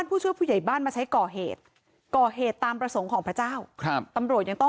หื้มหืม